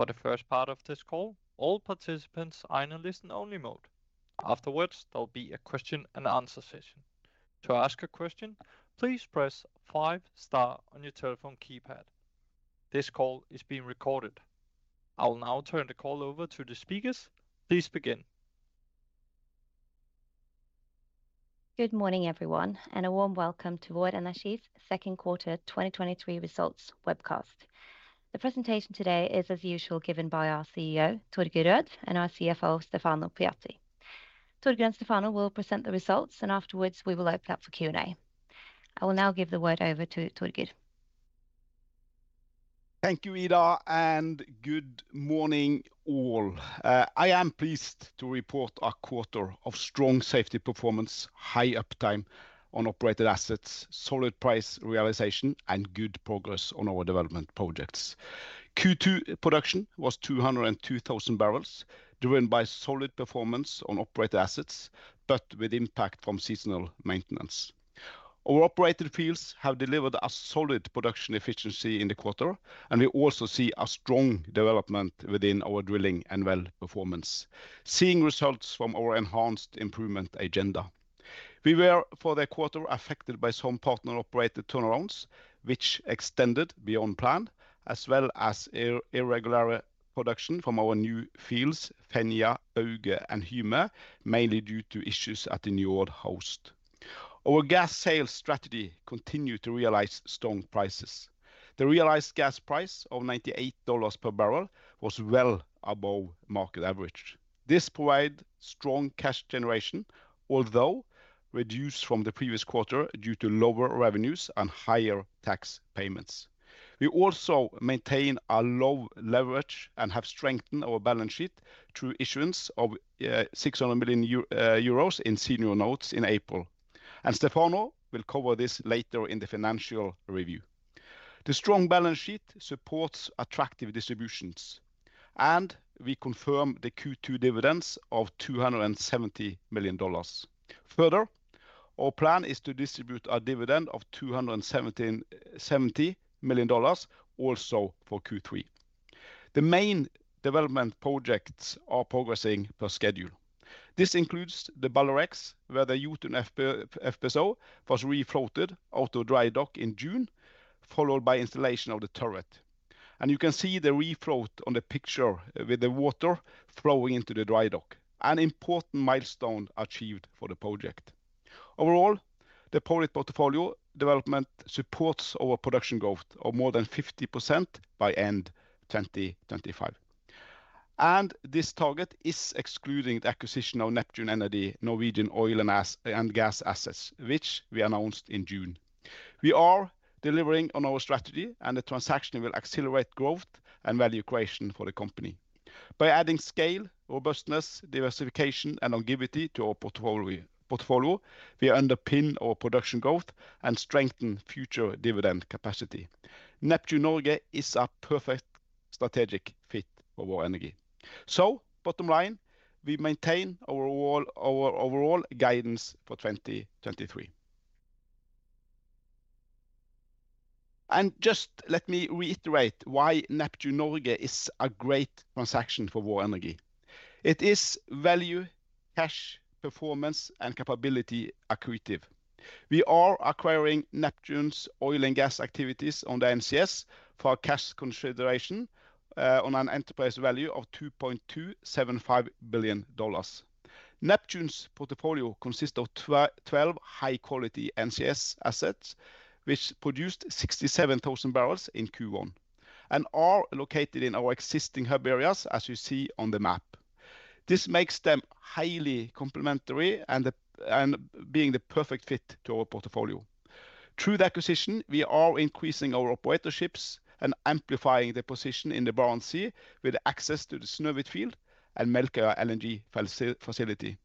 For the first part of this call, all participants are in a listen-only mode. Afterwards, there will be a question and answer session. To ask a question, please press five star on your telephone keypad. This call is being recorded. I will now turn the call over to the speakers. Please begin. Good morning, everyone, and a warm welcome to Vår Energi's Q2 Results Webcast. The presentation today is, as usual, given by our CEO, Torger Rød, and our CFO, Stefano Pujatti. Torger and Stefano will present the results, and afterwards we will open up for Q&A. I will now give the word over to Torger. Thank you, Ida. Good morning, all. I am pleased to report a quarter of strong safety performance, high uptime on operated assets, solid price realization, and good progress on our development projects. Q2 production was 202,000 barrels, driven by solid performance on operated assets, but with impact from seasonal maintenance. Our operated fields have delivered a solid production efficiency in the quarter, and we also see a strong development within our drilling and well performance, seeing results from our enhanced improvement agenda. We were, for the quarter, affected by some partner-operated turnarounds, which extended beyond plan, as well as irregular production from our new fields, Fenja, Bauge, and Hyme, mainly due to issues at the new area host. Our gas sales strategy continued to realize strong prices. The realized gas price of $98 per barrel was well above market average. This provided strong cash generation, although reduced from the previous quarter due to lower revenues and higher tax payments. We also maintain a low leverage and have strengthened our balance sheet through issuance of 600 million euro in senior notes in April. Stefano will cover this later in the financial review. The strong balance sheet supports attractive distributions. We confirm the Q2 dividends of $270 million. Further, our plan is to distribute a dividend of $270 million also for Q3. The main development projects are progressing per schedule. This includes the Balder X, where the Jotun FPSO was refloated out of dry dock in June, followed by installation of the turret. You can see the refloat on the picture with the water flowing into the dry dock, an important milestone achieved for the project. Overall, the project portfolio development supports our production growth of more than 50% by end 2025. This target is excluding the acquisition of Neptune Energy, Norwegian oil and gas, and gas assets, which we announced in June. We are delivering on our strategy. The transaction will accelerate growth and value creation for the company. By adding scale, robustness, diversification and longevity to our portfolio, we underpin our production growth and strengthen future dividend capacity. Neptune Norge is a perfect strategic fit for Vår Energi. Bottom line, we maintain our overall guidance for 2023. Just let me reiterate why Neptune Norge is a great transaction for Vår Energi. It is value, cash, performance and capability accretive. We are acquiring Neptune's oil and gas activities on the NCS for a cash consideration, on an enterprise value of $2.275 billion. Neptune's portfolio consists of 12 high quality NCS assets, which produced 67,000 barrels in Q1 and are located in our existing hub areas as you see on the map. This makes them highly complementary and being the perfect fit to our portfolio. Through the acquisition, we are increasing our operatorships and amplifying the position in the Barents Sea with access to the Snøhvit field and Melkøya LNG facility.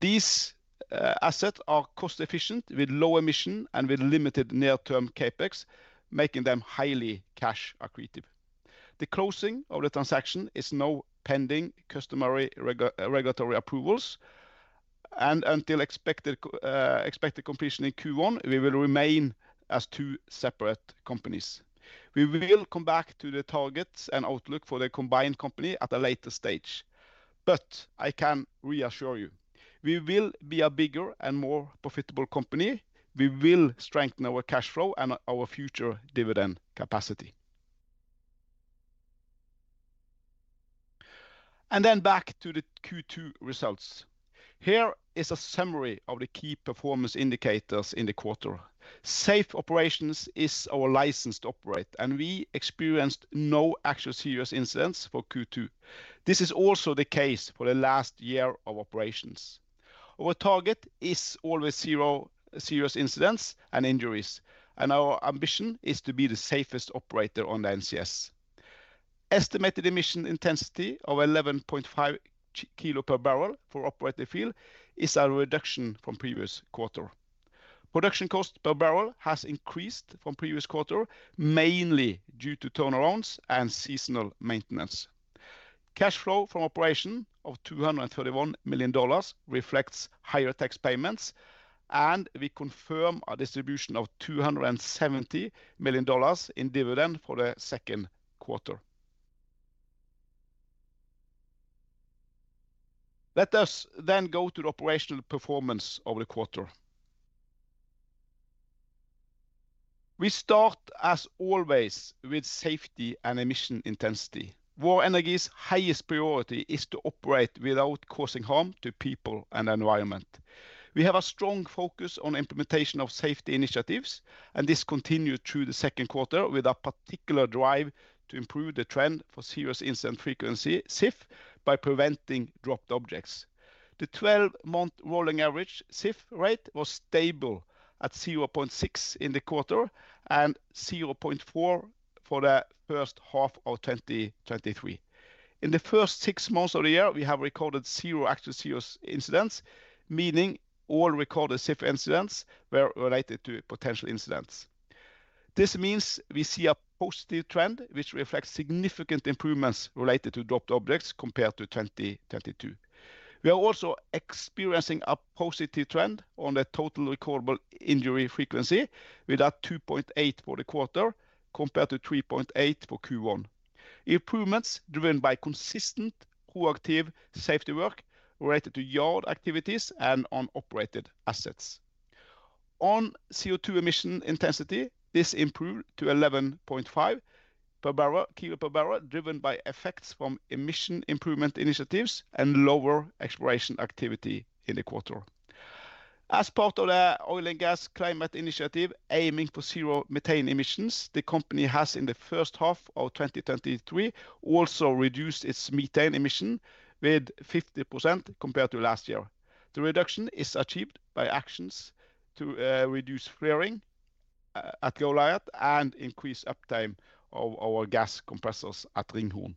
These assets are cost efficient with low emission and with limited near-term CapEx, making them highly cash accretive. The closing of the transaction is now pending customary regulatory approvals, and until expected completion in Q1, we will remain as two separate companies. We will come back to the targets and outlook for the combined company at a later stage. I can reassure you, we will be a bigger and more profitable company, we will strengthen our cash flow and our future dividend capacity. Back to the Q2 results. Here is a summary of the key performance indicators in the quarter. Safe operations is our license to operate, and we experienced no actual serious incidents for Q2. This is also the case for the last year of operations. Our target is always zero serious incidents and injuries, and our ambition is to be the safest operator on the NCS. Estimated emission intensity of 11.5 kilo per barrel for operated field is a reduction from previous quarter. Production cost per barrel has increased from previous quarter, mainly due to turnarounds and seasonal maintenance. Cash flow from operation of $231 million reflects higher tax payments. We confirm a distribution of $270 million in dividend for the Q2. We go to the operational performance of the quarter. We start, as always, with safety and emission intensity. Vår Energi's highest priority is to operate without causing harm to people and the environment. We have a strong focus on implementation of safety initiatives, and this continued through the Q2, with a particular drive to improve the trend for serious incident frequency, SIF, by preventing dropped objects. The 12-month rolling average SIF rate was stable at 0.6 in the quarter and 0.4 for the first half of 2023. In the first six months of the year, we have recorded 0 actual serious incidents, meaning all recorded SIF incidents were related to potential incidents. This means we see a positive trend, which reflects significant improvements related to dropped objects compared to 2022. We are also experiencing a positive trend on the total recordable injury frequency, with a 2.8 for the quarter compared to 3.8 for Q1. Improvements driven by consistent proactive safety work related to yard activities and on operated assets. On CO₂ emission intensity, this improved to 11.5 per barrel, kilo per barrel, driven by effects from emission improvement initiatives and lower exploration activity in the quarter. As part of the Oil and Gas Climate Initiative, aiming for zero methane emissions, the company has, in the first half of 2023, also reduced its methane emission with 50% compared to last year. The reduction is achieved by actions to reduce flaring at Goliat and increase uptime of our gas compressors at Ringhorne.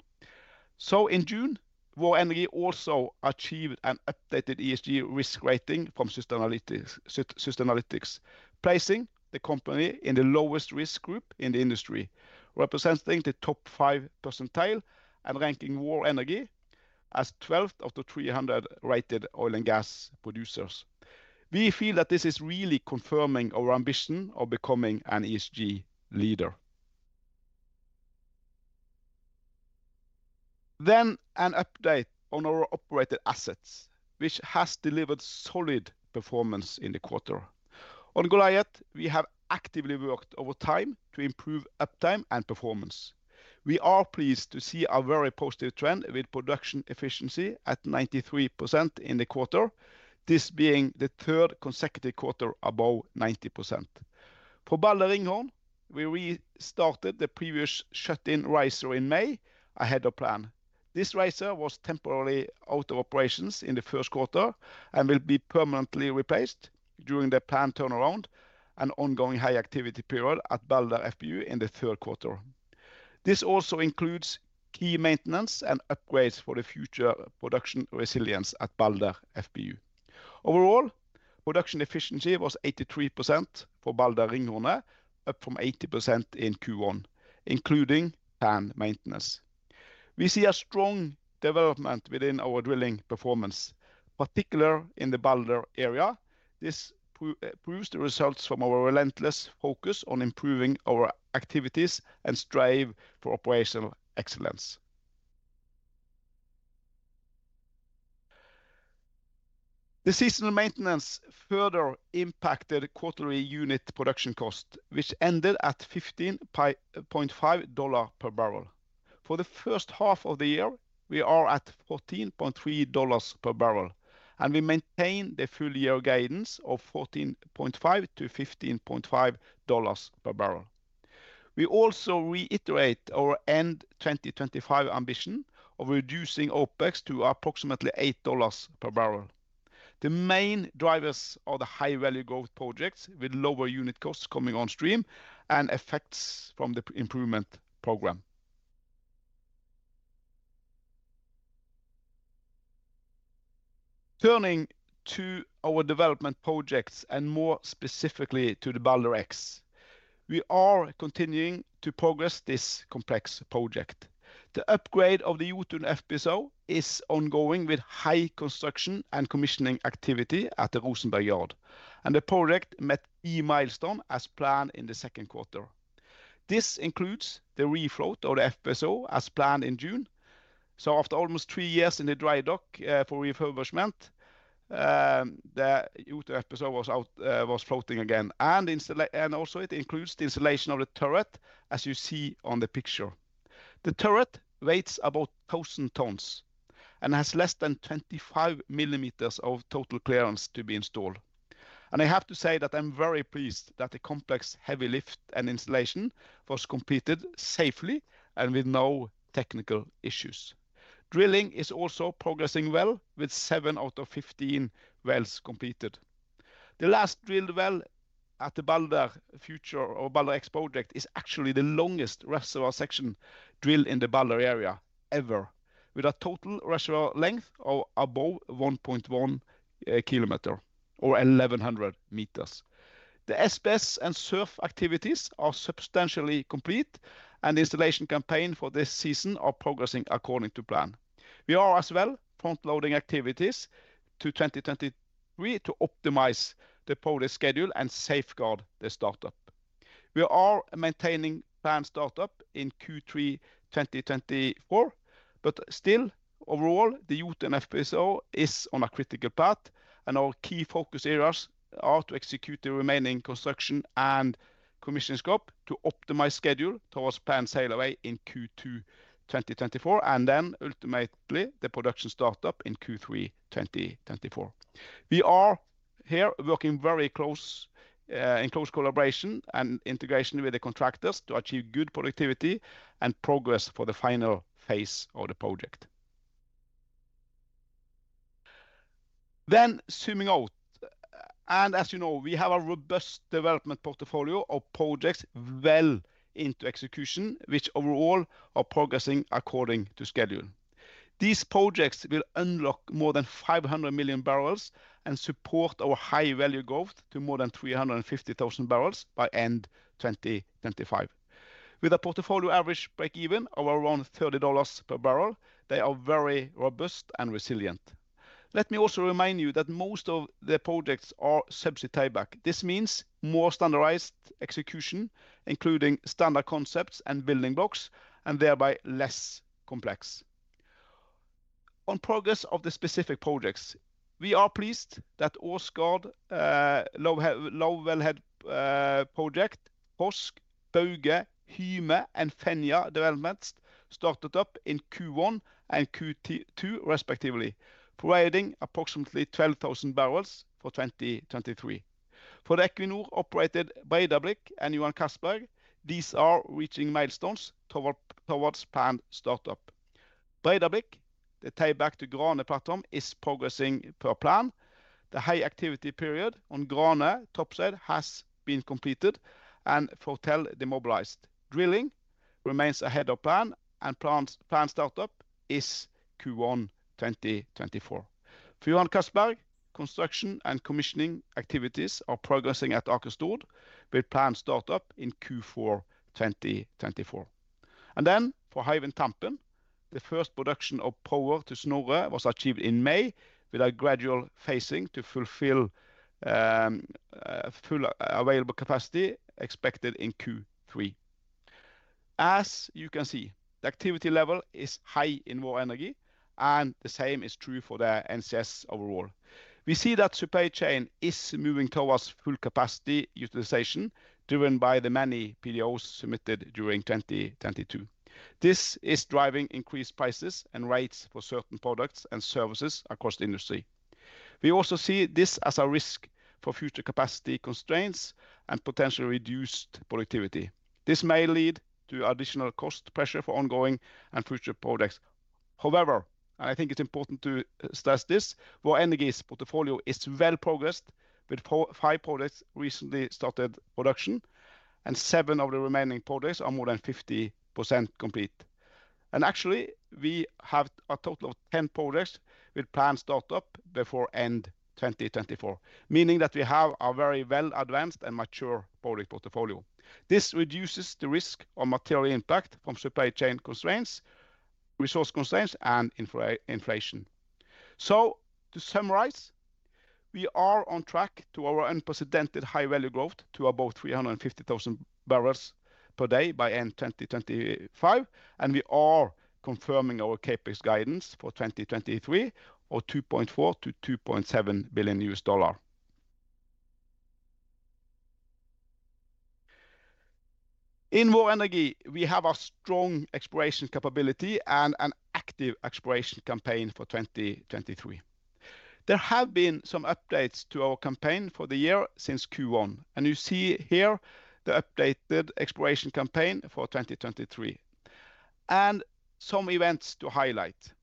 In June, Vår Energi also achieved an updated ESG risk rating from Sustainalytics, placing the company in the lowest risk group in the industry, representing the top five percentile and ranking Vår Energi as 12th of the 300 rated oil and gas producers. We feel that this is really confirming our ambition of becoming an ESG leader. An update on our operated assets, which has delivered solid performance in the quarter. On Goliat, we have actively worked over time to improve uptime and performance. We are pleased to see a very positive trend, with production efficiency at 93% in the quarter, this being the third consecutive quarter above 90%. For Balder-Ringhorne, we restarted the previous shut-in riser in May ahead of plan. This riser was temporarily out of operations in the Q1 and will be permanently replaced during the planned turnaround and ongoing high activity period at Balder FPU in the Q3. This also includes key maintenance and upgrades for the future production resilience at Balder FPU. Overall, production efficiency was 83% for Balder-Ringhorne, up from 80% in Q1, including planned maintenance. We see a strong development within our drilling performance, particularly in the Balder area. This proves the results from our relentless focus on improving our activities and strive for operational excellence. The seasonal maintenance further impacted quarterly unit production cost, which ended at $15.5 per barrel. For the first half of the year, we are at $14.3 per barrel, and we maintain the full year guidance of $14.5 to 15.5 per barrel. We also reiterate our end 2025 ambition of reducing OpEx to approximately $8 per barrel. The main drivers are the high-value growth projects, with lower unit costs coming on stream and effects from the improvement program. Turning to our development projects, and more specifically to the Balder X, we are continuing to progress this complex project. The upgrade of the Jotun FPSO is ongoing, with high construction and commissioning activity at the Rosenberg Yard, and the project met key milestone as planned in the Q2. This includes the refloat of the FPSO as planned in June. After almost three years in the dry dock, for refurbishment, the Jotun FPSO was out, was floating again, and also it includes the installation of the turret, as you see on the picture. The turret weighs about 1,000 tons and has less than 25 millimeters of total clearance to be installed. I have to say that I'm very pleased that the complex heavy lift and installation was completed safely and with no technical issues. Drilling is also progressing well, with seven out of 15 wells completed. The last drilled well at the Balder X project is actually the longest reservoir section drilled in the Balder area ever, with a total reservoir length of above 1.1 kilometer or 1,100 meters. The SPS and SURF activities are substantially complete and the installation campaign for this season are progressing according to plan. We are as well front-loading activities to 2023 to optimize the project schedule and safeguard the startup. We are maintaining planned startup in Q3 2024. Still, overall, the Jotun FPSO is on a critical path. Our key focus areas are to execute the remaining construction and commission scope to optimize schedule towards planned sail away in Q2 2024. Then ultimately the production start up in Q3 2024. We are here working very close, in close collaboration and integration with the contractors to achieve good productivity and progress for the final phase of the project. Zooming out, as you know, we have a robust development portfolio of projects well into execution, which overall are progressing according to schedule. These projects will unlock more than 500 million barrels and support our high value growth to more than 350,000 barrels by end 2025. With a portfolio average break-even of around $30 per barrel, they are very robust and resilient. Let me also remind you that most of the projects are subsidy tieback. This means more standardized execution, including standard concepts and building blocks, and thereby less complex. On progress of the specific projects, we are pleased that Åsgard, low wellhead project, Øst, Bauge, Hyme, and Fenja developments started up in Q1 and Q2, respectively, providing approximately 12,000 barrels for 2023. For the Equinor-operated Breidablikk and Johan Castberg, these are reaching milestones towards planned start up. Breidablikk, the tieback to Grane platform, is progressing per plan. The high activity period on Grane topside has been completed and hotel demobilized. Drilling remains ahead of plan, and planned start up is Q1 2024. For Johan Castberg, construction and commissioning activities are progressing at Aker Stord, with planned start up in Q4 2024. For Hywind Tampen, the first production of power to Snorre was achieved in May, with a gradual phasing to fulfill full available capacity expected in Q3. As you can see, the activity level is high in Vår Energi, and the same is true for the NCS overall. We see that supply chain is moving towards full capacity utilization, driven by the many PDOs submitted during 2022. This is driving increased prices and rates for certain products and services across the industry. We also see this as a risk for future capacity constraints and potentially reduced productivity. This may lead to additional cost pressure for ongoing and future projects. I think it's important to stress this, Vår Energi's portfolio is well progressed, with five projects recently started production, and seven of the remaining projects are more than 50% complete. Actually, we have a total of 10 projects with planned start up before end 2024, meaning that we have a very well advanced and mature project portfolio. This reduces the risk of material impact from supply chain constraints, resource constraints, and inflation. To summarize, we are on track to our unprecedented high value growth to about 350,000 barrels per day by end 2025, and we are confirming our CapEx guidance for 2023, or $2.4 to $2.7 billion. In Vår Energi, we have a strong exploration capability and an active exploration campaign for 2023. There have been some updates to our campaign for the year since Q1, and you see here the updated exploration campaign for 2023. Some events to highlight.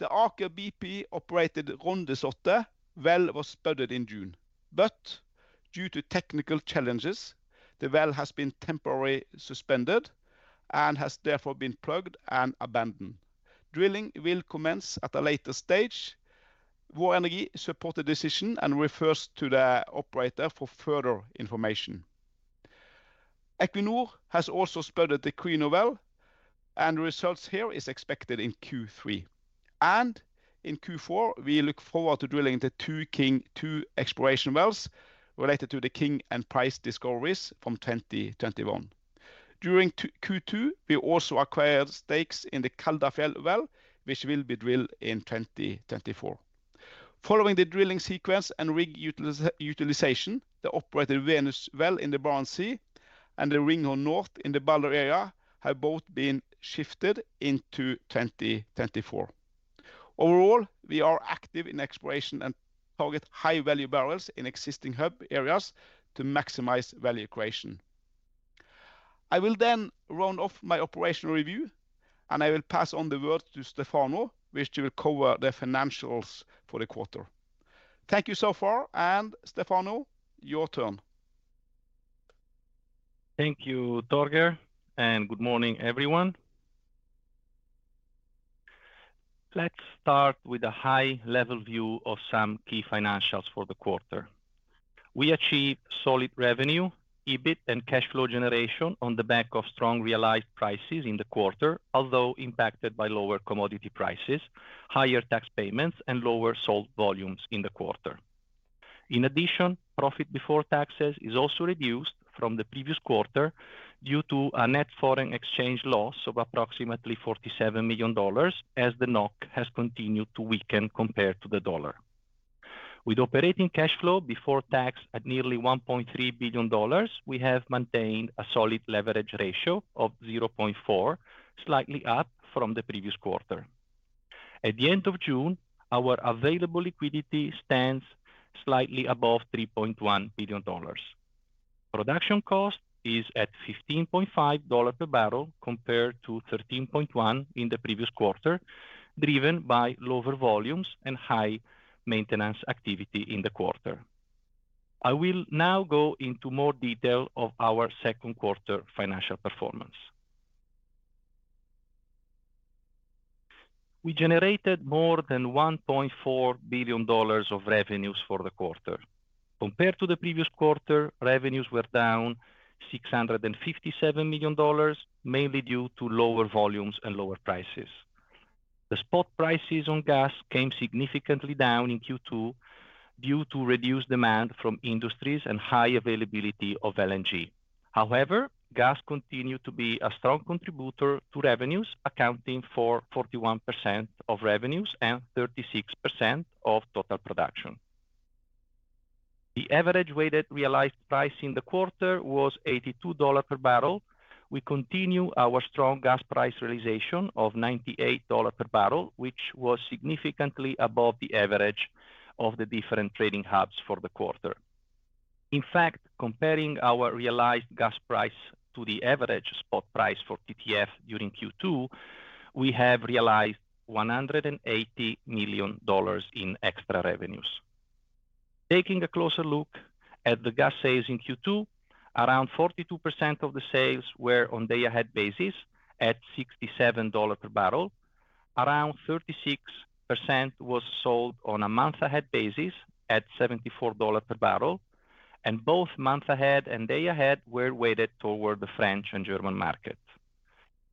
The Aker BP-operated Rondeslottet well was spudded in June, but due to technical challenges, the well has been temporarily suspended and has therefore been plugged and abandoned. Drilling will commence at a later stage. Vår Energi support the decision and refers to the operator for further information. Equinor has also spudded the Grieg well, and results here is expected in Q3. In Q4, we look forward to drilling the two King-2 exploration wells related to the King and Price discoveries from 2021. During Q2, we also acquired stakes in the Kaldfjell well, which will be drilled in 2024. Following the drilling sequence and rig utilization, the operator Venus well in the Barents Sea and the Ringhorne North in the Balder area, have both been shifted into 2024. Overall, we are active in exploration and target high-value barrels in existing hub areas to maximize value creation. I will round off my operational review, and I will pass on the word to Stefano, which he will cover the financials for the quarter. Thank you so far. Stefano, your turn. Thank you, Torger, and good morning, everyone. Let's start with a high level view of some key financials for the quarter. We achieved solid revenue, EBIT, and cash flow generation on the back of strong realized prices in the quarter, although impacted by lower commodity prices, higher tax payments, and lower sold volumes in the quarter. In addition, profit before taxes is also reduced from the previous quarter due to a net foreign exchange loss of approximately $47 million, as the NOK has continued to weaken compared to the dollar. With operating cash flow before tax at nearly $1.3 billion, we have maintained a solid leverage ratio of 0.4, slightly up from the previous quarter. At the end of June, our available liquidity stands slightly above $3.1 billion. Production cost is at $15.5 per barrel, compared to $13.1 in the previous quarter, driven by lower volumes and high maintenance activity in the quarter. I will now go into more detail of our Q2 financial performance. We generated more than $1.4 billion of revenues for the quarter. Compared to the previous quarter, revenues were down $657 million, mainly due to lower volumes and lower prices. The spot prices on gas came significantly down in Q2, due to reduced demand from industries and high availability of LNG. However, gas continued to be a strong contributor to revenues, accounting for 41% of revenues and 36% of total production. The average weighted realized price in the quarter was $82 per barrel. We continue our strong gas price realization of $98 per barrel, which was significantly above the average of the different trading hubs for the quarter. Comparing our realized gas price to the average spot price for TTF during Q2, we have realized $180 million in extra revenues. Taking a closer look at the gas sales in Q2, around 42% of the sales were on day-ahead basis at $67 per barrel. Around 36% was sold on a month-ahead basis at $74 per barrel, both month-ahead and day-ahead were weighted toward the French and German markets.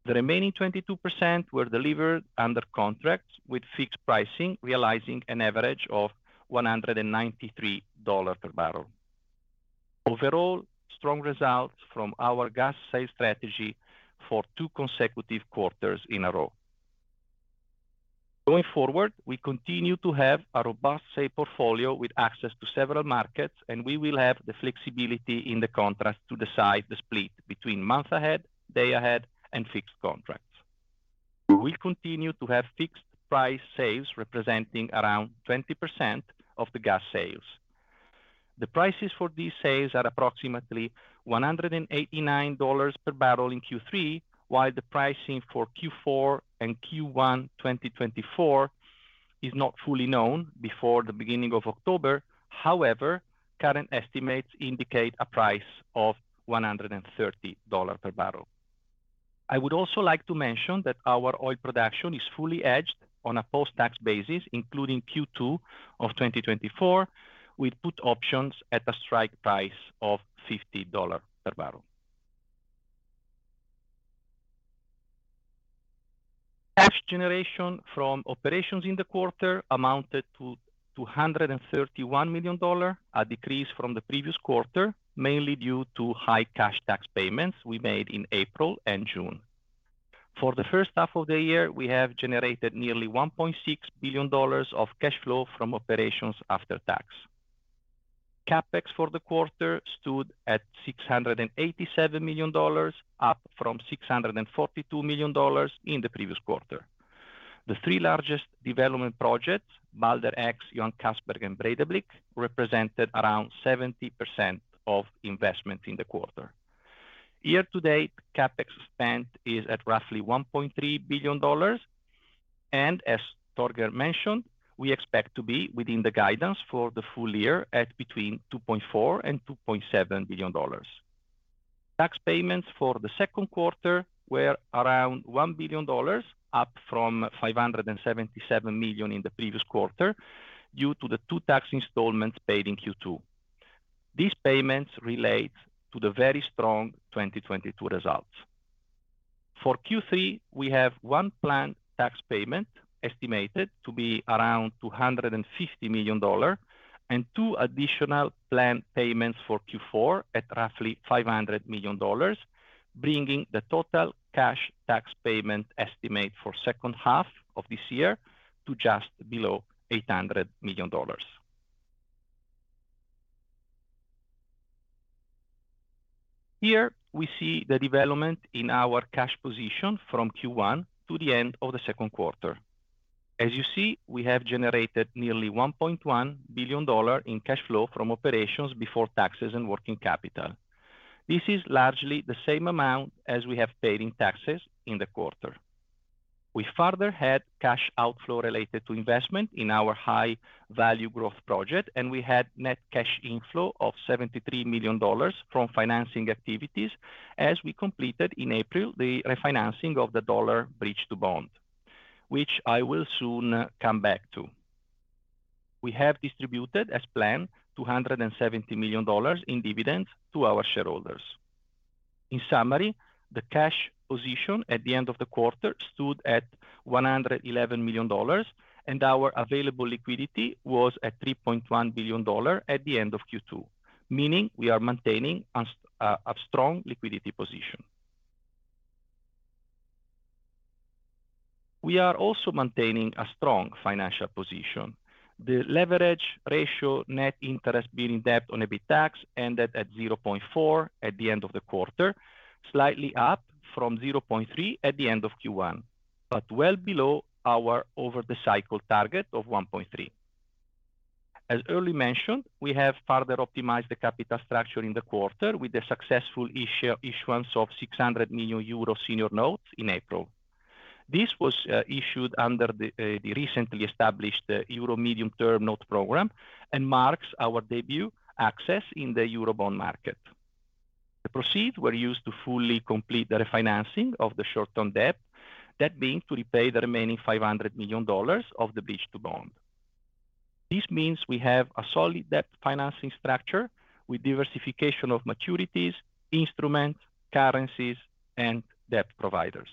The remaining 22% were delivered under contracts with fixed pricing, realizing an average of $193 per barrel. Strong results from our gas sales strategy for two consecutive quarters in a row. Going forward, we continue to have a robust sale portfolio with access to several markets, and we will have the flexibility in the contracts to decide the split between month-ahead, day-ahead, and fixed contracts. We continue to have fixed price sales, representing around 20% of the gas sales. The prices for these sales are approximately $189 per barrel in Q3, while the pricing for Q4 and Q1 2024 is not fully known before the beginning of October. However, current estimates indicate a price of $130 per barrel. I would also like to mention that our oil production is fully hedged on a post-tax basis, including Q2 2024, with put options at a strike price of $50 per barrel. Cash generation from operations in the quarter amounted to $231 million dollar, a decrease from the previous quarter, mainly due to high cash tax payments we made in April and June. For the first half of the year, we have generated nearly $1.6 billion of cash flow from operations after tax. CapEx for the quarter stood at $687 million, up from $642 million in the previous quarter. The three largest development projects, Balder X, Johan Castberg, and Breidablikk, represented around 70% of investment in the quarter. Year to date, CapEx spend is at roughly $1.3 billion, and as Torger mentioned, we expect to be within the guidance for the full year at between $2.4 billion and $2.7 billion. Tax payments for the Q2 were around $1 billion, up from $577 million in the previous quarter, due to the two tax installments paid in Q2. These payments relate to the very strong 2022 results. For Q3, we have one planned tax payment, estimated to be around $250 million, and two additional planned payments for Q4 at roughly $500 million, bringing the total cash tax payment estimate for second half of this year to just below $800 million. Here, we see the development in our cash position from Q1 to the end of the Q2. As you see, we have generated nearly $1.1 billion in cash flow from operations before taxes and working capital. This is largely the same amount as we have paid in taxes in the quarter. We further had cash outflow related to investment in our high value growth project, and we had net cash inflow of $73 million from financing activities, as we completed in April, the refinancing of the dollar bridge to bond, which I will soon come back to. We have distributed, as planned, $270 million in dividends to our shareholders. In summary, the cash position at the end of the quarter stood at $111 million, and our available liquidity was at $3.1 billion at the end of Q2, meaning we are maintaining a strong liquidity position. We are also maintaining a strong financial position. The leverage ratio, net interest, billing debt on EBITDA ended at 0.4 at the end of the quarter, slightly up from 0.3 at the end of Q1, but well below our over the cycle target of 1.3. As earlier mentioned, we have further optimized the capital structure in the quarter with the successful issuance of 600 million euro senior notes in April. This was issued under the recently established Euro Medium Term Note program, and marks our debut access in the Euro bond market. The proceeds were used to fully complete the refinancing of the short-term debt. That means to repay the remaining $500 million of the bridge to bond. This means we have a solid debt financing structure with diversification of maturities, instruments, currencies, and debt providers.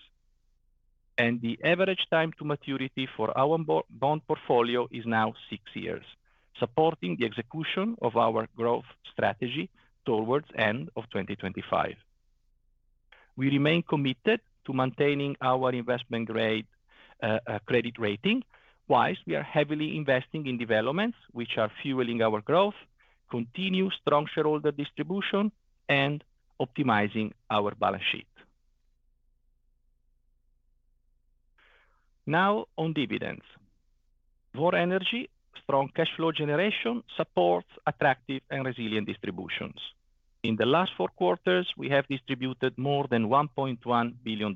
The average time to maturity for our bond portfolio is now six years, supporting the execution of our growth strategy towards end of 2025. We remain committed to maintaining our investment grade credit rating. Wise, we are heavily investing in developments which are fueling our growth, continue strong shareholder distribution, and optimizing our balance sheet. Now on dividends. Vår Energi strong cash flow generation supports attractive and resilient distributions. In the last four quarters, we have distributed more than $1.1 billion.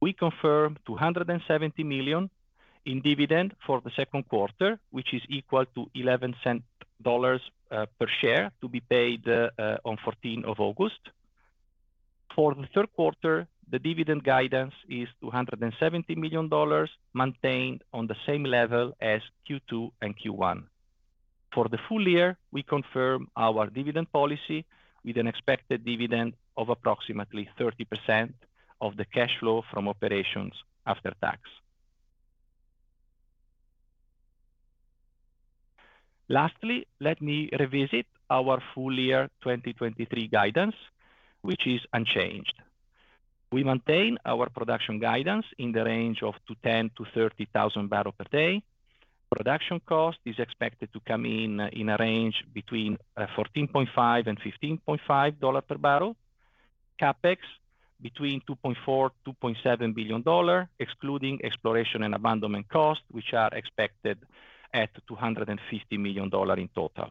We confirm $270 million in dividend for the Q2, which is equal to $0.11 per share, to be paid on 14th of August. For the Q3, the dividend guidance is $270 million, maintained on the same level as Q2 and Q1. For the full year, we confirm our dividend policy with an expected dividend of approximately 30% of the cash flow from operations after tax. Lastly, let me revisit our full year 2023 guidance, which is unchanged. We maintain our production guidance in the range of 10-30 thousand barrels per day. Production cost is expected to come in a range between $14.5 and $15.5 per barrel. CapEx between $2.4 billion-$2.7 billion, excluding exploration and abandonment costs, which are expected at $250 million in total.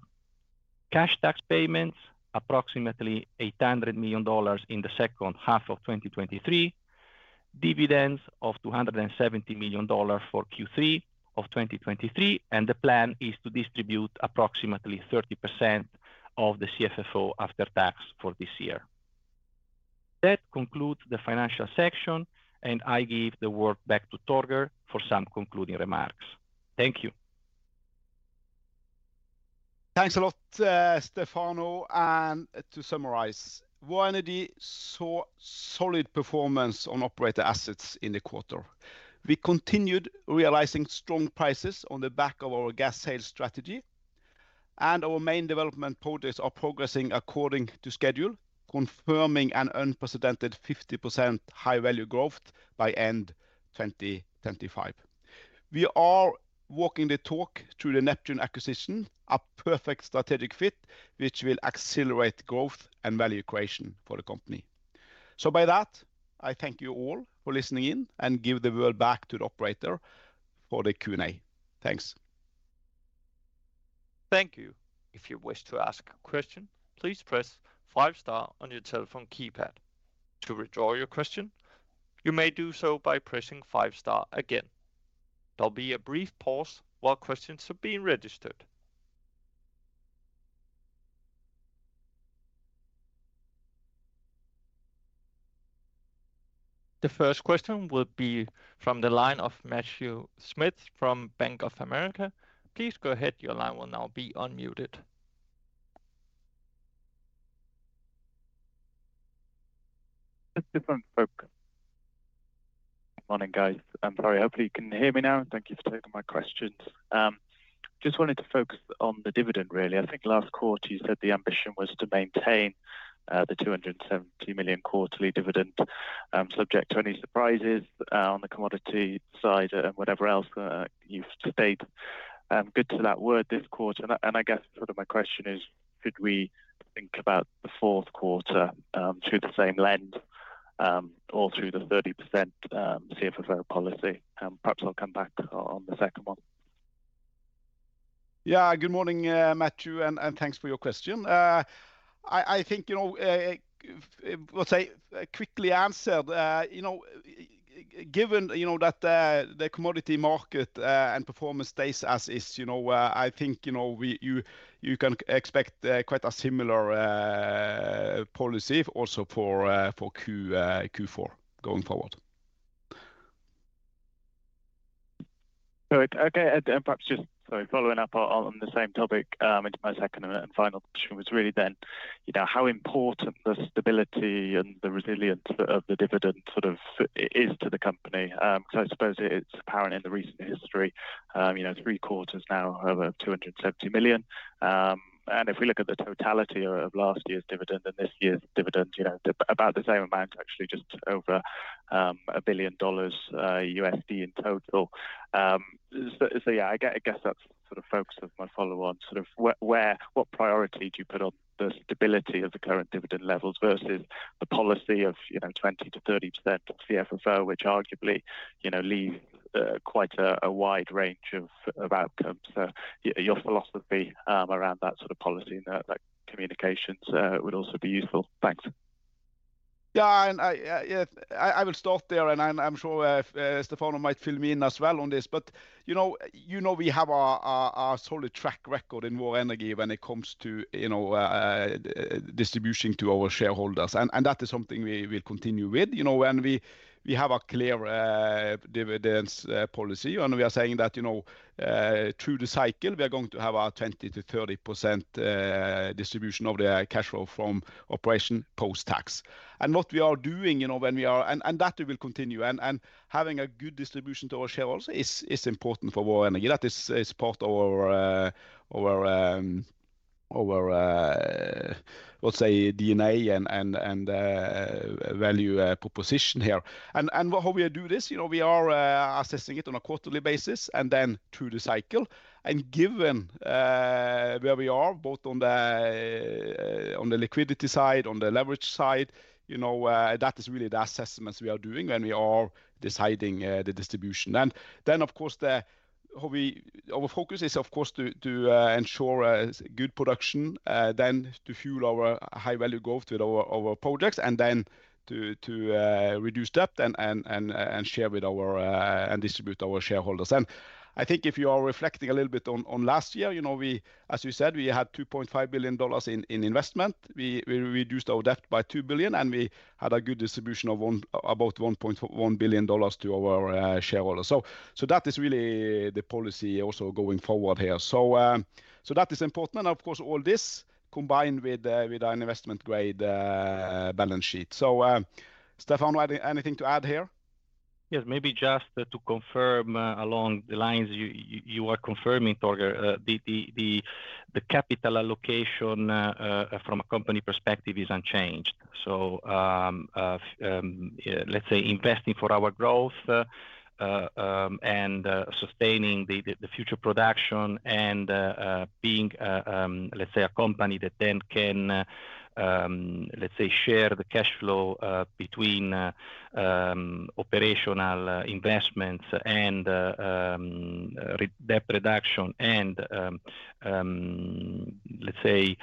Cash tax payments, approximately $800 million in the second half of 2023. Dividends of $270 million for Q3 of 2023. The plan is to distribute approximately 30% of the CFFO after tax for this year. That concludes the financial section. I give the word back to Torger for some concluding remarks. Thank you. Thanks a lot, Stefano. To summarize, Vår Energi saw solid performance on operator assets in the quarter. We continued realizing strong prices on the back of our gas sales strategy, and our main development projects are progressing according to schedule, confirming an unprecedented 50% high value growth by end 2025. We are walking the talk through the Neptune acquisition, a perfect strategic fit, which will accelerate growth and value creation for the company. By that, I thank you all for listening in, and give the word back to the operator for the Q&A. Thanks. Thank you. If you wish to ask a question, please press five star on your telephone keypad. To withdraw your question, you may do so by pressing five star again. There'll be a brief pause while questions are being registered. The first question will be from the line of Matthew Smith from Bank of America. Please go ahead. Your line will now be unmuted. Just different folk. Morning, guys. I'm sorry. Hopefully, you can hear me now, and thank you for taking my questions. Just wanted to focus on the dividend, really. I think last quarter you said the ambition was to maintain the $270 million quarterly dividend, subject to any surprises on the commodity side and whatever else you've stated. Good to that word this quarter, and I guess sort of my question is, should we think about the Q4 through the same lens or through the 30% CFFO policy? Perhaps I'll come back on the second one. Yeah. Good morning, Matthew, and thanks for your question. I think, you know, let's say, quickly answered, you know, given, you know, that the commodity market, and performance stays as is, you know, I think, you know, you can expect, quite a similar, policy also for Q4 going forward. Okay, and perhaps just, sorry, following up on the same topic, into my second and final question was really, you know, how important the stability and the resilience of the dividend sort of is to the company? I suppose it's apparent in the recent history, you know, three quarters now over $270 million. If we look at the totality of last year's dividend and this year's dividend, you know, about the same amount, actually, just over $1 billion USD in total. Yeah, I guess that's sort of focus of my follow on, sort of where, what priority do you put on the stability of the current dividend levels versus the policy of, you know, 20% to 30% CFFO, which arguably, you know, leaves quite a wide range of outcomes. Your philosophy around that sort of policy and that communications would also be useful. Thanks. Yeah, and I, Yeah, I will start there, and I'm sure, Stefano might fill me in as well on this. You know, we have a solid track record in Vår Energi when it comes to, you know, distribution to our shareholders, and that is something we will continue with. You know, when we have a clear, dividends, policy, and we are saying that, you know, through the cycle, we are going to have our 20% to 30% distribution of the cash flow from operation post-tax. What we are doing, you know, when we are. That we will continue. Having a good distribution to our shareholders is important for Vår Energi. That is part of our, let's say DNA and value proposition here. How we do this, you know, we are assessing it on a quarterly basis, and then through the cycle. Given where we are, both on the liquidity side, on the leverage side, you know, that is really the assessments we are doing when we are deciding the distribution. Then, of course, our focus is, to ensure a good production, then to fuel our high value growth with our projects, and then to reduce debt and share with our and distribute our shareholders. I think if you are reflecting a little bit on last year, you know, we, as you said, we had $2.5 billion in investment. We reduced our debt by $2 billion, and we had a good distribution of about $1.1 billion to our shareholders. That is really the policy also going forward here. That is important. Of course, all this combined with an investment grade balance sheet. Stefano, anything to add here? Yes. Maybe just to confirm, along the lines you are confirming, Torger. The capital allocation from a company perspective is unchanged. Let's say investing for our growth and sustaining the future production and being, let's say a company that then can, let's say share the cash flow between operational investments and debt reduction and, let's say,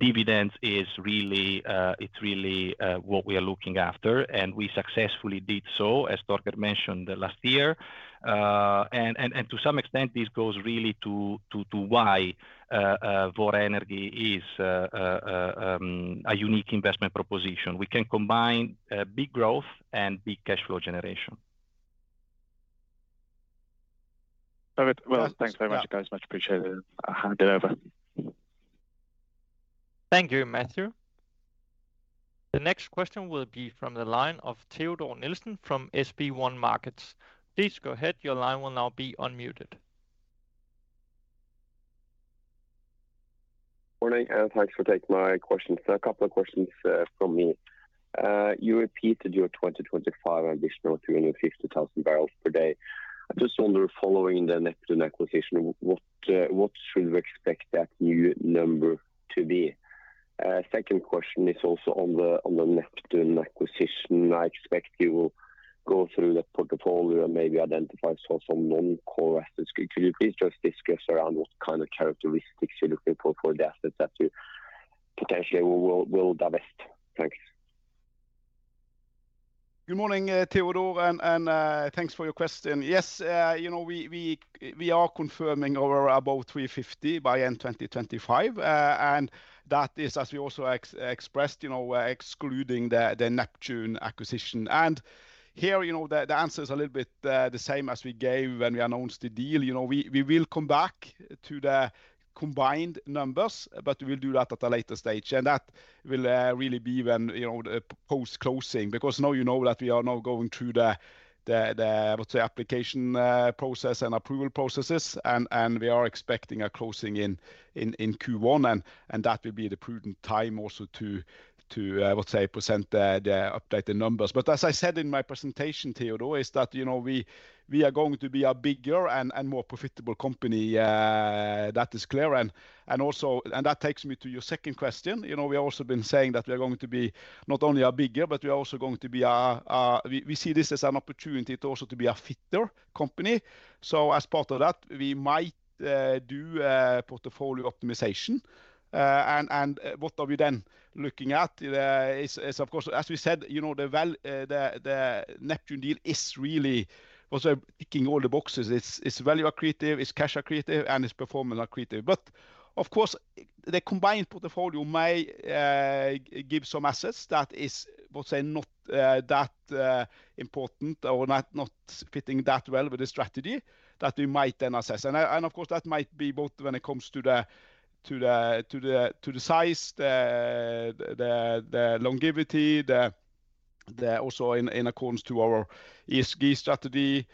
dividends is really, it's really what we are looking after, and we successfully did so, as Torger mentioned last year. To some extent, this goes really to why Vår Energi is a unique investment proposition. We can combine big growth and big cash flow generation. All right. Well, thanks very much, guys. Much appreciated. I'll hand it over. Thank you, Matthew. The next question will be from the line of Teodor Sveen-Nilsen from SB1 Markets. Please go ahead, your line will now be unmuted. Morning, and thanks for taking my questions. A couple of questions from me. You repeated your 2025 ambition of 350,000 barrels per day. I just wonder, following the Neptune acquisition, what should we expect that new number to be? Second question is also on the Neptune acquisition. I expect you will go through the portfolio and maybe identify some non-core assets. Could you please just discuss around what kind of characteristics you're looking for the assets that you potentially will divest? Thanks. Good morning, Teodor, and thanks for your question. Yes, you know, we are confirming our about 350 by end 2025, and that is, as we also expressed, you know, excluding the Neptune acquisition. Here, you know, the answer is a little bit the same as we gave when we announced the deal. You know, we will come back to the combined numbers, but we will do that at a later stage, and that will really be when, you know, the post-closing. Now you know that we are now going through the, let's say, application process and approval processes, we are expecting a closing in Q1, and that will be the prudent time also to, let's say, present the updated numbers. As I said in my presentation, Teodor, is that, you know, we are going to be a bigger and more profitable company. That is clear. That takes me to your second question. You know, we've also been saying that we are going to be not only a bigger, but we are also going to be, we see this as an opportunity to also to be a fitter company. As part of that, we might do portfolio optimization. What are we then looking at is of course, as we said, you know, the Neptune deal is really also ticking all the boxes. It's value accretive, it's cash accretive, and it's performance accretive. But, of course, the combined portfolio may give some assets that is, let's say, not that important or not fitting that well with the strategy that we might then assess. That might be both when it comes to the size, the longevity, that also in accordance to our ESG strategy,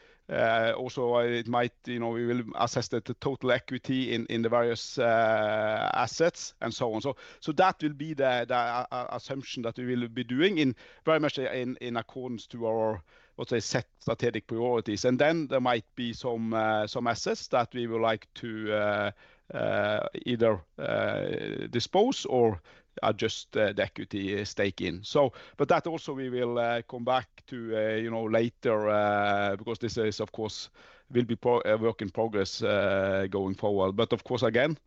also it might, you know, we will assess the total equity in the various assets and so on. That will be the assumption that we will be doing in very much in accordance to our, let's say, set strategic priorities. Then there might be some assets that we would like to either dispose or adjust the equity stake in. That also we will come back to, you know, later, because this is of course, will be a work in progress going forward. Of course, again,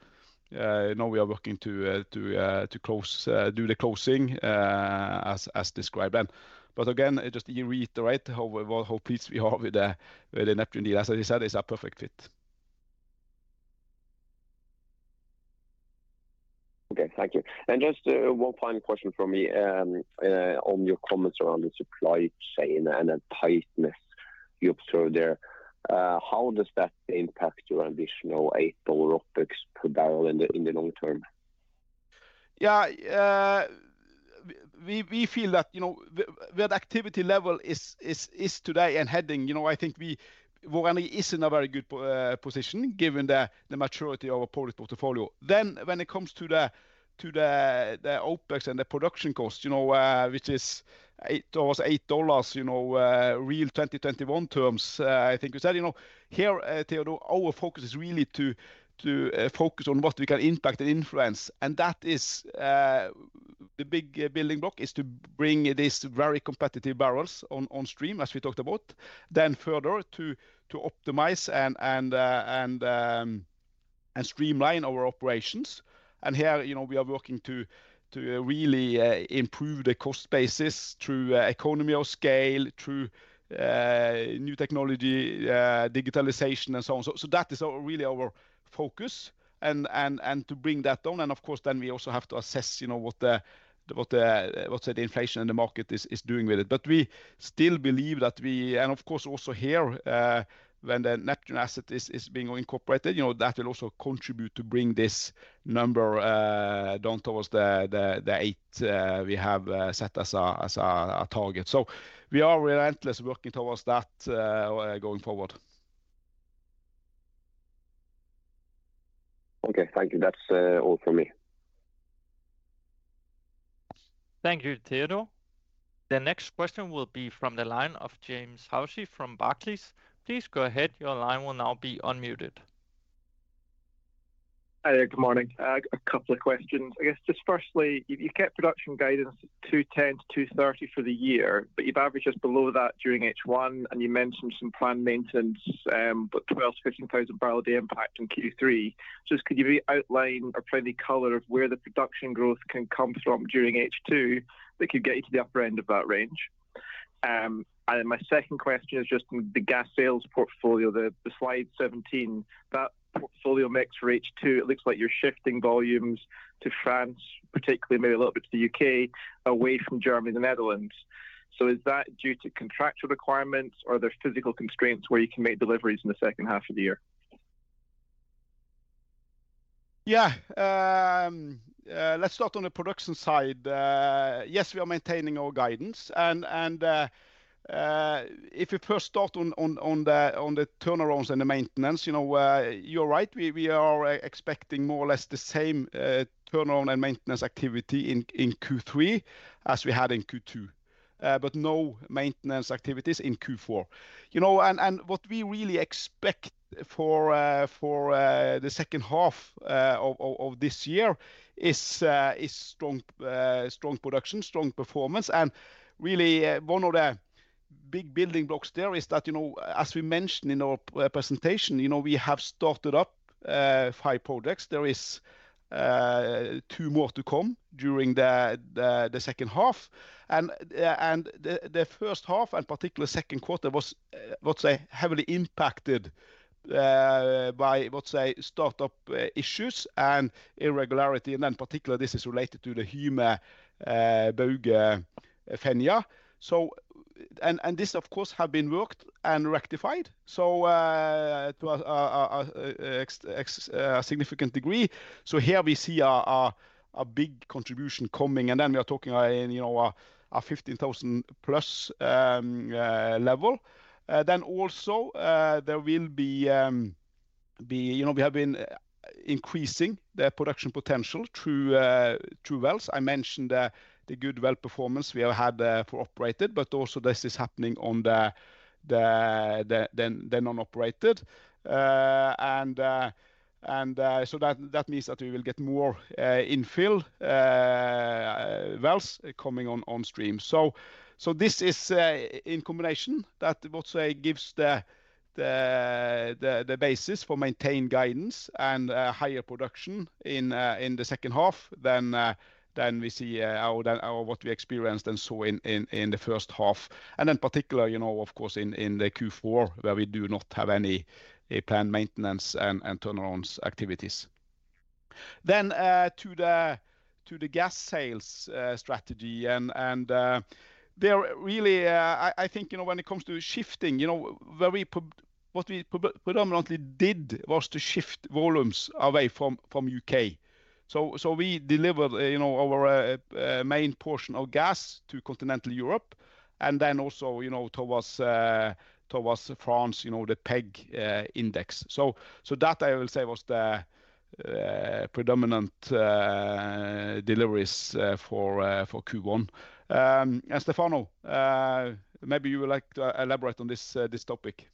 you know, we are working to close, do the closing, as described. Again, just to reiterate how, well, how pleased we are with the Neptune deal. As I said, it's a perfect fit. Okay, thank you. Just one final question from me on your comments around the supply chain and the tightness you observe there. How does that impact your additional $8 OpEx per barrel in the long term? Yeah. We, we feel that, you know, where the activity level is today and heading, you know, I think Vår Energi is in a very good position given the maturity of our product portfolio. When it comes to the OpEx and the production cost, you know, which is almost $8, you know, real 2021 terms, I think we said. You know, here, Teodor, our focus is really to focus on what we can impact and influence, and that is the big building block, is to bring these very competitive barrels on stream, as we talked about. Further to optimize and streamline our operations. Here, you know, we are working to really improve the cost basis through economy of scale, through new technology, digitalization, and so on. That is our really our focus to bring that on. We also have to assess, you know, what the let's say, the inflation in the market is doing with it. We still believe. Also here, when the Neptune asset is being incorporated, you know, that will also contribute to bring this number down towards the $8 we have set as our target. We are relentlessly working towards that going forward. Okay, thank you. That's all from me. Thank you, Teodor. The next question will be from the line of James Hosie from Barclays. Please go ahead. Your line will now be unmuted. Hi there. Good morning. A couple of questions. I guess, just firstly, you kept production guidance 210-230 for the year, but you've averaged just below that during H1, and you mentioned some planned maintenance, but 12,000-15,000 barrel a day impact in Q3. Just could you outline or provide any color of where the production growth can come from during H2 that could get you to the upper end of that range? My second question is just on the gas sales portfolio, the slide 17, that portfolio mix for H2, it looks like you're shifting volumes to France, particularly maybe a little bit to the U.K., away from Germany and the Netherlands. Is that due to contractual requirements or there's physical constraints where you can make deliveries in the second half of the year? Yeah. Let's start on the production side. Yes, we are maintaining our guidance. If you first start on the turnarounds and the maintenance, you know, you're right, we are expecting more or less the same turnaround and maintenance activity in Q3 as we had in Q2, but no maintenance activities in Q4. You know, what we really expect for the second half of this year is strong production, strong performance. Really, one of the big building blocks there is that, you know, as we mentioned in our presentation, you know, we have started up five projects. There is two more to come during the second half. The first half and particularly Q2 was, let's say, heavily impacted by, let's say, startup issues and irregularity, and in particular, this is related to the Hyme, Bauge, Fenja. This, of course, have been worked and rectified to a significant degree. Here we see a big contribution coming, and then we are talking, you know, a 15,000+ level. Then also, there will be You know, we have been increasing the production potential through through wells. I mentioned the good well performance we have had for operated, but also this is happening on the non-operated. That, that means that we will get more infill wells coming on stream. This is in combination that let's say, gives the basis for maintained guidance and higher production in the second half than we see what we experienced and saw in the first half. In particular, you know, of course, in the Q4, where we do not have any planned maintenance and turnarounds activities. To the gas sales strategy. They are really, I think, you know, when it comes to shifting, you know, what we predominantly did was to shift volumes away from UK. We delivered, you know, our main portion of gas to continental Europe, and then also, you know, towards France, you know, the PEG index. That I will say was the predominant deliveries for Q1. Stefano, maybe you would like to elaborate on this topic.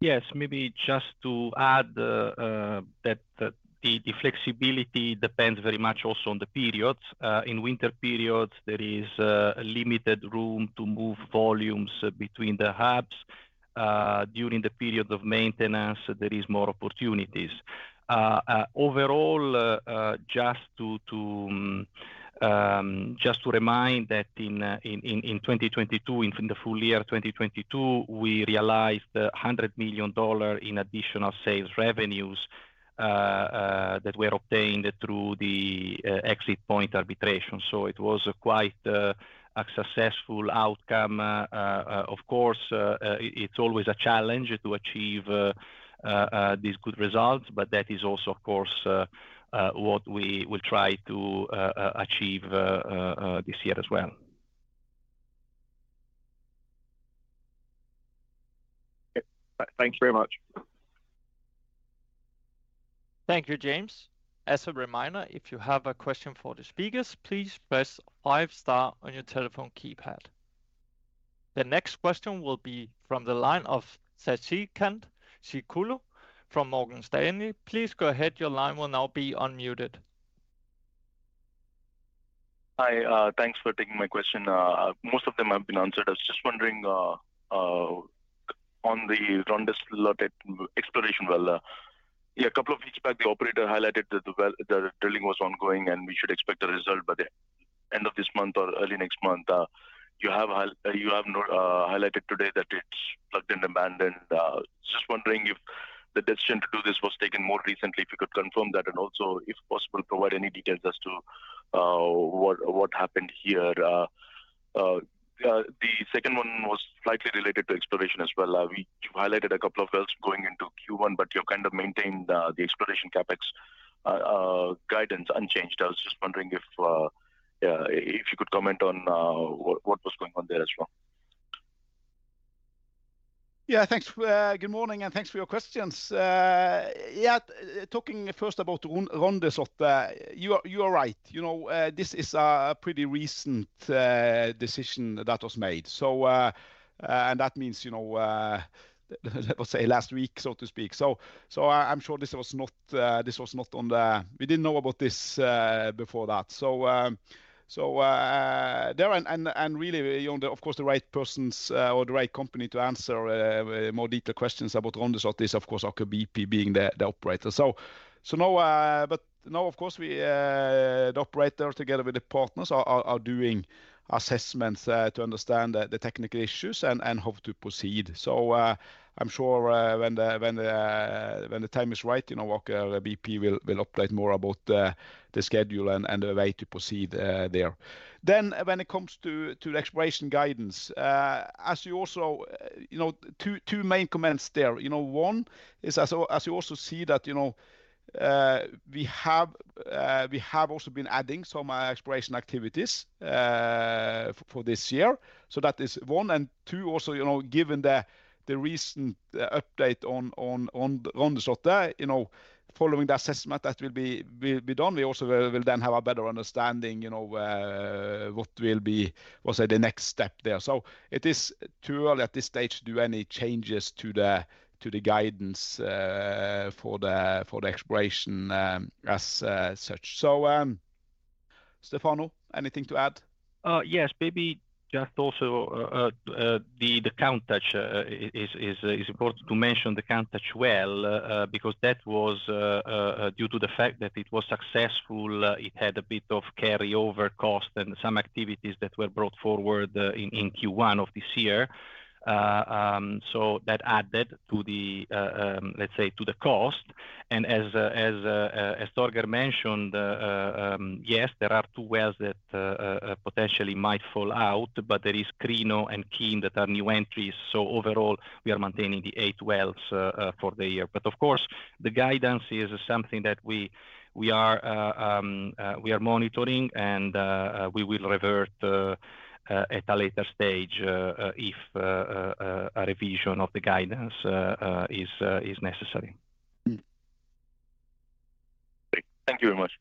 Yes. Maybe just to add, that the flexibility depends very much also on the periods. In winter periods, there is a limited room to move volumes between the hubs. During the period of maintenance, there is more opportunities. Overall, just to remind that in 2022, in the full year 2022, we realized $100 million in additional sales revenues, that were obtained through the exit point arbitration. It was a quite a successful outcome. Of course, it's always a challenge to achieve these good results, but that is also, of course, what we will try to achieve this year as well. Thank you very much. Thank you, James. As a reminder, if you have a question for the speakers, please press five star on your telephone keypad. The next question will be from the line of Sasikanth Chilukuru from Morgan Stanley. Please go ahead. Your line will now be unmuted. Hi, thanks for taking my question. Most of them have been answered. I was just wondering on the Rondeslottet exploration well. A couple of weeks back, the operator highlighted that the well, the drilling was ongoing, and we should expect a result by the end of this month or early next month. You have not highlighted today that it's plugged and abandoned. Just wondering if the decision to do this was taken more recently, if you could confirm that, and also, if possible, provide any details as to what happened here? The second one was slightly related to exploration as well. You highlighted a couple of wells going into Q1, but you kind of maintained the exploration CapEx guidance unchanged. I was just wondering if you could comment on what was going on there as well? Thanks. Good morning, thanks for your questions. Talking first about Rondeslottet, you are right. You know, this is a pretty recent decision that was made. That means, you know, let's say last week, so to speak. I'm sure this was not, we didn't know about this before that. Really, you know, of course, the right persons or the right company to answer more detailed questions about Rondeslottet is, of course, Aker BP being the operator. Now, of course, we, the operator together with the partners are doing assessments to understand the technical issues and how to proceed. I'm sure, when the time is right, you know, Aker BP will update more about the schedule and the way to proceed there. When it comes to the exploration guidance, you know, two main comments there. You know, one is as you also see that, you know, we have also been adding some exploration activities for this year. That is one. Two, also, you know, given the recent update on Rondeslottet, you know, following the assessment that will be done, we also will then have a better understanding, you know, what will be, let's say, the next step there. It is too early at this stage to do any changes to the, to the guidance for the, for the exploration as such. Stefano, anything to add? Yes, maybe just also the Countach is important to mention the Countach well, because that was due to the fact that it was successful, it had a bit of carryover cost and some activities that were brought forward in Q1 of this year. So that added to the let's say, to the cost. As Torger mentioned, yes, there are two wells that potentially might fall out, but there is Green and Keen that are new entries. Overall, we are maintaining the eight wells for the year. Of course, the guidance is something that we are monitoring, and we will revert at a later stage if a revision of the guidance is necessary. Great. Thank you very much.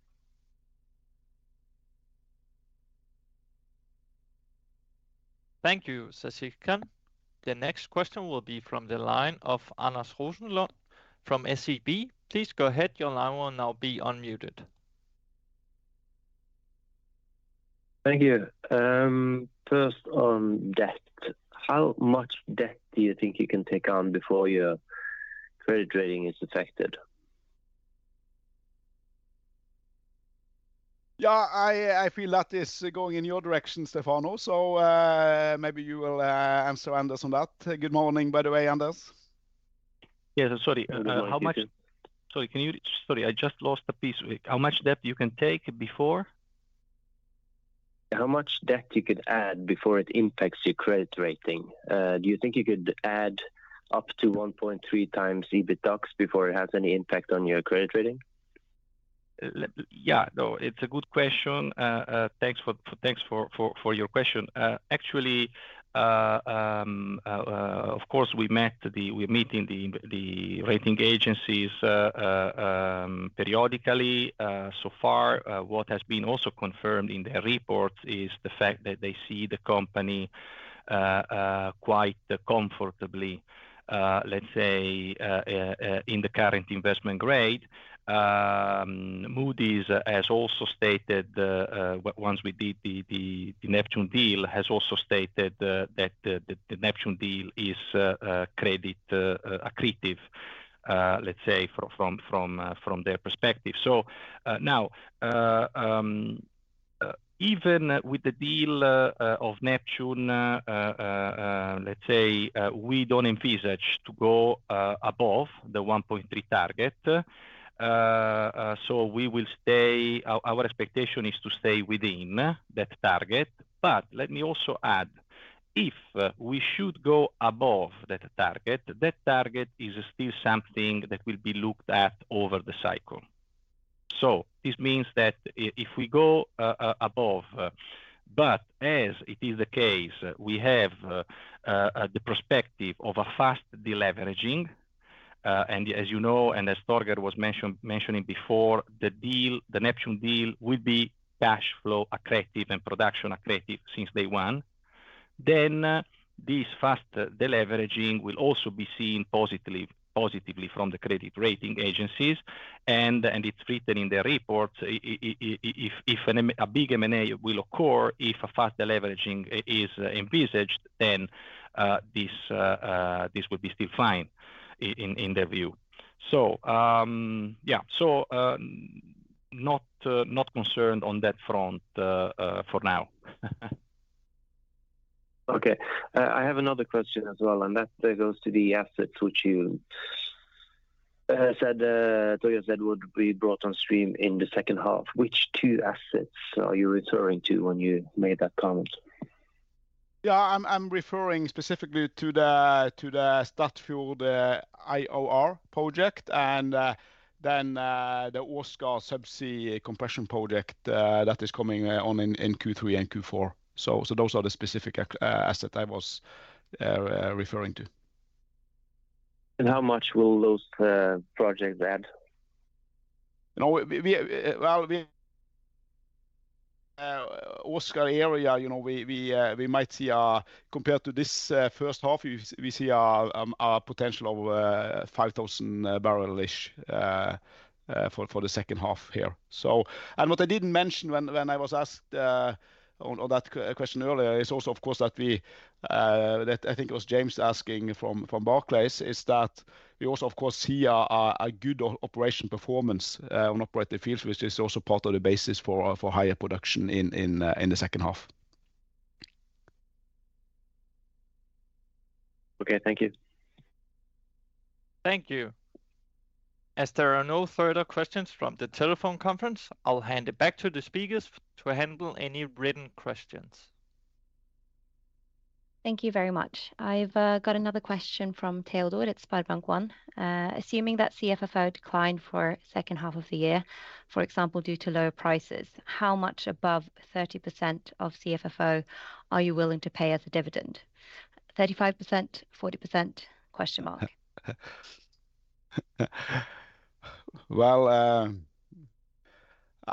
Thank you, Sasikanth. The next question will be from the line of Anders Rosenlund from SEB. Please go ahead. Your line will now be unmuted. Thank you. First on debt. How much debt do you think you can take on before your credit rating is affected? Yeah, I feel that is going in your direction, Stefano, so, maybe you will answer Anders on that. Good morning, by the way, Anders. Yes, sorry. Good morning. Sorry, I just lost a piece. How much debt you can take before? How much debt you can add before it impacts your credit rating? Do you think you could add up to 1.3 times EBITDA before it has any impact on your credit rating? Yeah, no, it's a good question. Thanks for your question. Actually, of course, we're meeting the rating agencies periodically. What has been also confirmed in their reports is the fact that they see the company quite comfortably, let's say, in the current investment grade. Moody's has also stated, once we did the Neptune deal, has also stated that the Neptune deal is credit accretive, let's say, from their perspective. Even with the deal of Neptune, let's say, we don't envisage to go above the 1.3 target. We will stay. Our expectation is to stay within that target. Let me also add, if we should go above that target, that target is still something that will be looked at over the cycle. This means that if we go above, but as it is the case, we have the perspective of a fast deleveraging. As you know, and as Torger was mentioning before, the deal, the Neptune deal will be cash flow accretive and production accretive since day one. This fast deleveraging will also be seen positively from the credit rating agencies, and it's written in the report if a big M&A will occur, if a fast deleveraging is envisaged, then this would be still fine in their view. Yeah. Not concerned on that front for now. Okay. I have another question as well. That goes to the assets, which you said Torger said would be brought on stream in the second half. Which two assets are you referring to when you made that comment? Yeah, I'm referring specifically to the Statfjord, IOR project and, then, the Aasta Hansteen compression project, that is coming, on in Q3 and Q4. Those are the specific asset I was, referring to. How much will those projects add? You know, we, well, we, Aasta Hansteen area, you know, we might see, compared to this first half, we see a potential of 5,000 barrel-ish for the second half here. What I didn't mention when I was asked on that question earlier, is also, of course, that we, that I think it was James asking from Barclays, is that we also, of course, see a good operation performance on operating fields, which is also part of the basis for higher production in the second half. Okay. Thank you. Thank you. As there are no further questions from the telephone conference, I'll hand it back to the speakers to handle any written questions. Thank you very much. I've got another question from Teodor at Sparebank 1. Assuming that CFFO decline for second half of the year, for example, due to lower prices, how much above 30% of CFFO are you willing to pay as a dividend? 35%, 40%, question mark?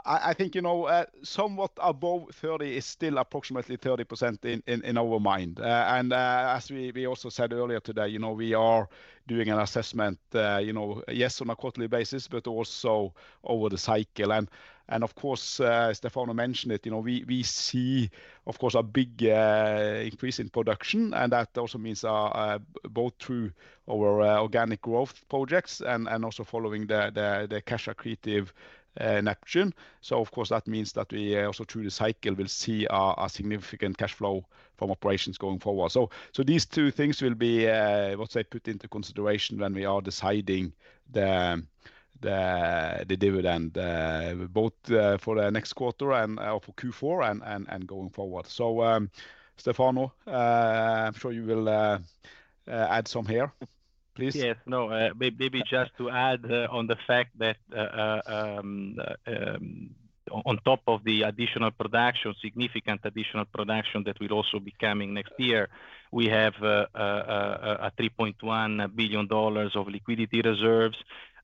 I think, you know, somewhat above 30 is still approximately 30% in our mind. As we also said earlier today, you know, we are doing an assessment, you know, yes, on a quarterly basis, but also over the cycle. Of course, Stefano Pujatti mentioned it, you know, we see, of course, a big increase in production, and that also means both through our organic growth projects and also following the cash accretive Neptune Energy. Of course, that means that we also, through the cycle, will see a significant cash flow from operations going forward. These two things will be, let's say, put into consideration when we are deciding the dividend, both for the next quarter and for Q4, and going forward. Stefano, I'm sure you will add some here, please. Yes. No, maybe just to add on the fact that on top of the additional production, significant additional production that will also be coming next year, we have a $3.1 billion of liquidity reserves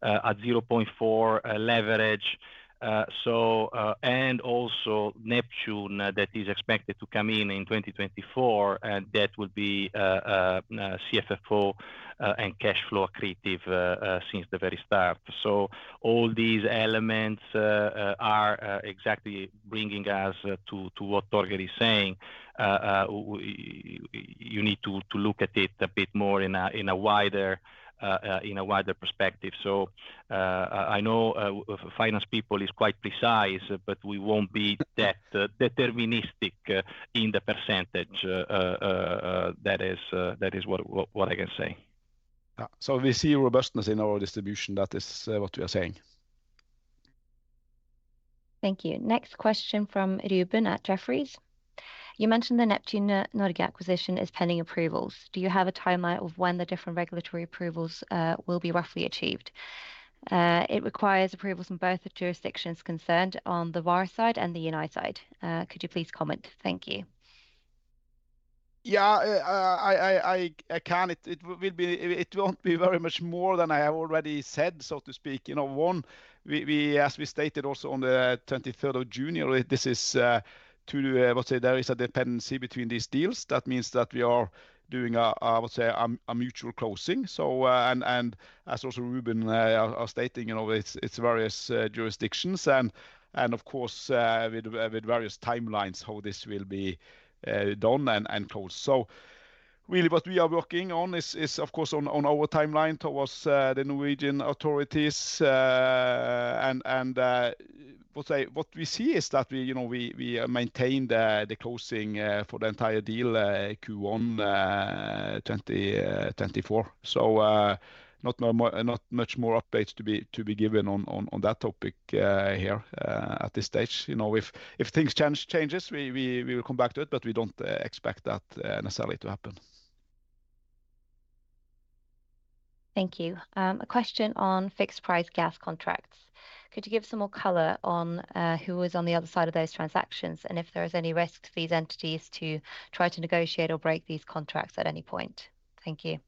at 0.4 leverage. And also Neptune that is expected to come in in 2024, and that would be CFFO and cash flow accretive since the very start. All these elements are exactly bringing us to what Torger is saying. You need to look at it a bit more in a wider perspective. I know, finance people is quite precise, but we won't be deterministic, in the percentage. That is what I can say. We see robustness in our distribution. That is what we are saying. Thank you. Next question from Ruben at Jefferies. You mentioned the Neptune Norge acquisition is pending approvals. Do you have a timeline of when the different regulatory approvals will be roughly achieved? It requires approvals from both the jurisdictions concerned on the Vår side and the United side. Could you please comment? Thank you. Yeah. I can. It won't be very much more than I have already said, so to speak. You know, one, we, as we stated also on the 23rd of June 2023, this is to let's say there is a dependency between these deals. That means that we are doing a let's say a mutual closing. As also Ruben are stating, you know, it's various jurisdictions and of course with various timelines, how this will be done and closed. Really, what we are working on is of course on our timeline towards the Norwegian authorities. And what we see is that we, you know, we maintain the closing for the entire deal, Q1 2024. Not much more updates to be given on that topic here at this stage. You know, if things change, changes, we will come back to it, but we don't expect that necessarily to happen. Thank you. A question on fixed price gas contracts. Could you give some more color on who was on the other side of those transactions, if there is any risk to these entities to try to negotiate or break these contracts at any point? Thank you.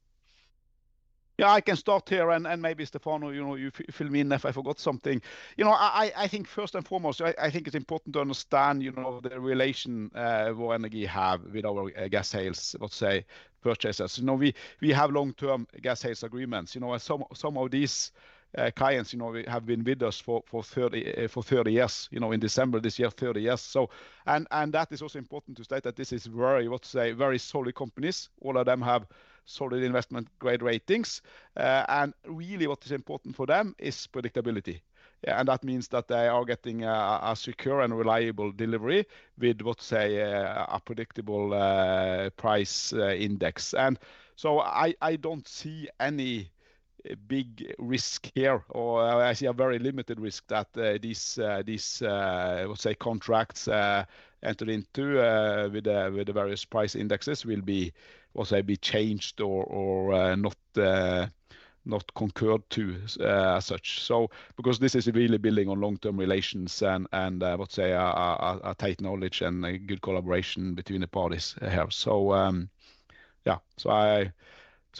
Yeah, I can start here, and maybe Stefano, you know, you fill me in if I forgot something. You know, I think first and foremost, I think it's important to understand, you know, the relation Vår Energi have with our gas sales, let's say, purchasers. You know, we have long-term gas sales agreements, you know, and some of these clients, you know, have been with us for 30 years, you know, in December this year, 30 years. And, and that is also important to state that this is very, let's say, very solid companies. All of them have solid investment grade ratings. And really what is important for them is predictability. Yeah, that means that they are getting a secure and reliable delivery with, let's say, a predictable price index. I don't see any big risk here, or I see a very limited risk that these, let's say, contracts entered into with the various price indexes will be, let's say, changed or not concurred to as such. Because this is really building on long-term relations and, let's say, a tight knowledge and a good collaboration between the parties here.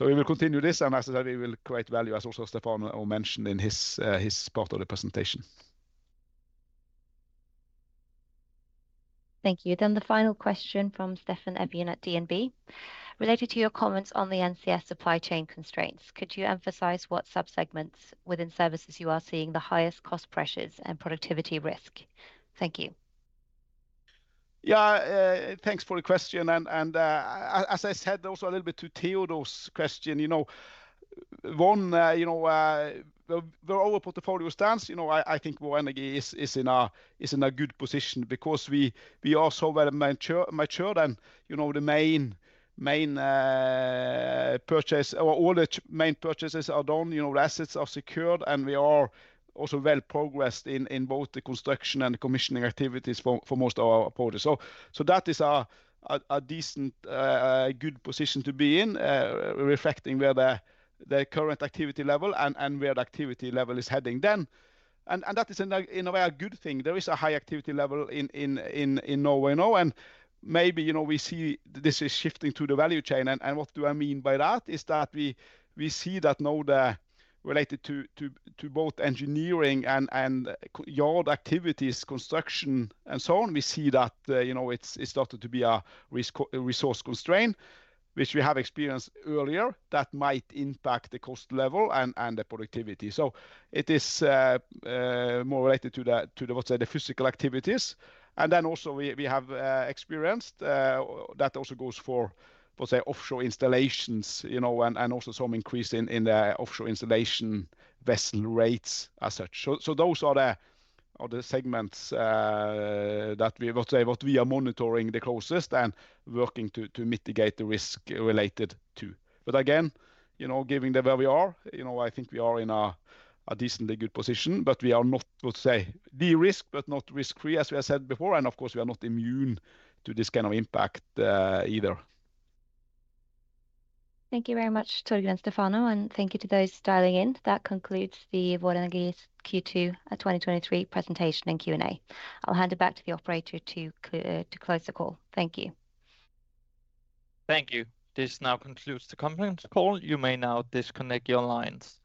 We will continue this, and as I said, we will create value, as also Stefano mentioned in his part of the presentation. Thank you. The final question from Steffen Evjen at DNB. Related to your comments on the NCS supply chain constraints, could you emphasize what subsegments within services you are seeing the highest cost pressures and productivity risk? Thank you. Yeah. thanks for the question, and, as I said, also a little bit to Teodor's question, you know, one, you know, the overall portfolio stance, you know, I think Vår Energi is in a, is in a good position because we are so well matured and, you know, the main purchase or all the main purchases are done, you know, the assets are secured, and we are also well progressed in both the construction and commissioning activities for most of our projects. So that is a decent, good position to be in, reflecting where the current activity level and where the activity level is heading then. That is in a, in a way, a good thing. There is a high activity level in Norway now, and maybe, you know, we see this is shifting to the value chain. What do I mean by that? Is that we see that now the, related to both engineering and yard activities, construction, and so on, we see that, you know, it's started to be a resource constraint, which we have experienced earlier, that might impact the cost level and the productivity. It is more related to, let's say, the physical activities. Also we have experienced that also goes for, let's say, offshore installations, you know, and also some increase in the offshore installation vessel rates as such. Those are the segments that we, let's say what we are monitoring the closest and working to mitigate the risk related to. Again, you know, given the where we are, you know, I think we are in a decently good position, but we are not, let's say, de-risked, but not risk-free, as we have said before. Of course, we are not immune to this kind of impact either. Thank you very much, Torger and Stefano, and thank you to those dialing in. That concludes the Vår Energi's Q2 2023 presentation and Q&A. I'll hand it back to the operator to close the call. Thank you. Thank you. This now concludes the conference call. You may now disconnect your lines.